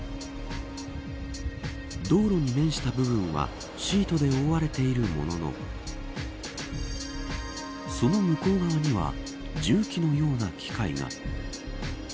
道路に面した部分はシートで覆われているもののその向こう側には重機のような機械が。